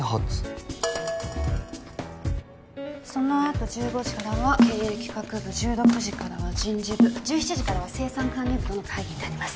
そのあと１５時からは経営企画部１６時からは人事部１７時からは生産管理部との会議になります